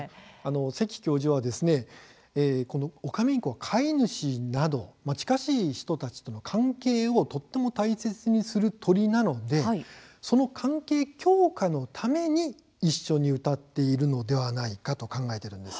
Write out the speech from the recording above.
関教授はオカメインコは飼い主など近しい人たちとの関係をとても大切にする鳥なのでその関係強化のために一緒に歌っているのではないかと考えているんです。